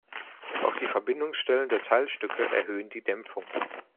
Auch die Verbindungsstellen der Teilstücke erhöhen die Dämpfung.